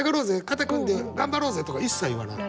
肩組んで頑張ろうぜ」とか一切言わない。